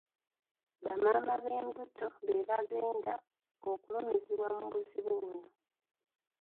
Bamaama b'embuto be bagenda okulumizibwa mu buzibu buno.